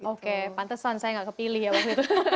oke pantesan saya nggak kepilih ya waktu itu